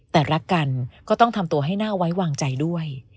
แต่รักกันก็ต้องทำตัวให้น่าไว้วางใจด้วย